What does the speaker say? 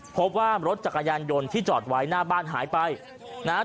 พบว่ารถจักรยานยนต์ที่จอดไว้หน้าบ้านหายไปนะฮะ